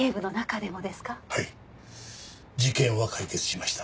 事件は解決しました。